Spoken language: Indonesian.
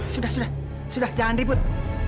sudah sudah jangan ribut